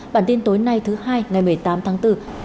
bản tin tối nay thứ hai ngày một mươi tám tháng bốn